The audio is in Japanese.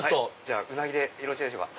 うなぎでよろしいでしょうか？